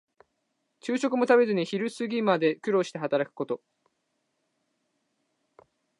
昼食も食べずに昼過ぎまで苦労して働くこと。